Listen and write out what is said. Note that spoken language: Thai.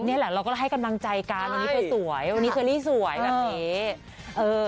เนี่ยแหละเราก็ให้กำลังใจกันวันนี้สวยวันนี้สวยแบบนี้